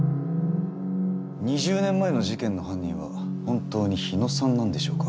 ２０年前の事件の犯人は本当に日野さんなんでしょうか。